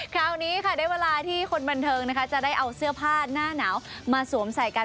คราวนี้ค่ะได้เวลาที่คนบันเทิงนะคะจะได้เอาเสื้อผ้าหน้าหนาวมาสวมใส่กัน